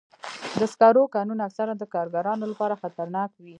د سکرو کانونه اکثراً د کارګرانو لپاره خطرناک وي.